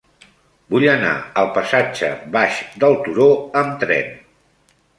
Vull anar al passatge Baix del Turó amb tren.